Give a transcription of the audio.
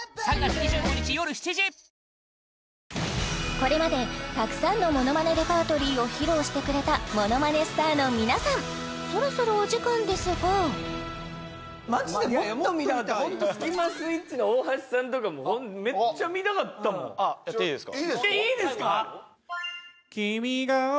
これまでたくさんのものまねレパートリーを披露してくれたものまねスターの皆さんそろそろお時間ですがホントスキマスイッチの大橋さんとかもめっちゃ見たかったもんいいんですか？